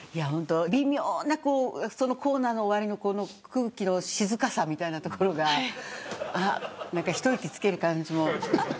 微妙なコーナーの終わりの空気の静かさみたいなところが一息つける感じも。